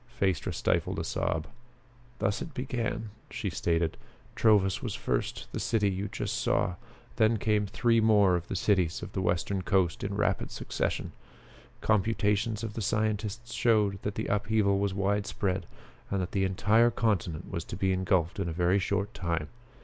Phaestra stifled a sob. "Thus it began," she stated. "Trovus was first the city you just saw then came three more of the cities of the western coast in rapid succession. Computations of the scientists showed that the upheaval was widespread and that the entire continent was to be engulfed in a very short time.